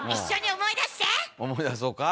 思い出そうか？